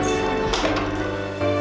pak pak pak pak